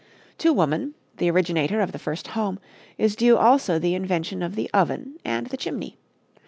To woman, the originator of the first home, is due also the invention of the oven and the chimney.